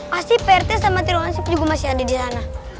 pasti prt sama tiruansi juga masih ada di sana